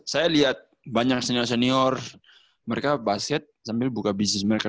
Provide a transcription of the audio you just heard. saya lihat banyak senior senior mereka basket sambil buka bisnis mereka